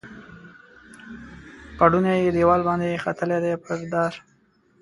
پوړونی یې دیوال باندې ختلي دي پر دار